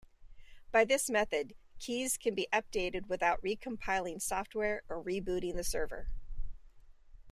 By this method keys can be updated without recompiling software or rebooting the server.